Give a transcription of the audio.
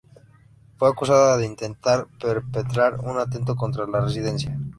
Fue acusada de intentar perpetrar un atentado contra la Residencia.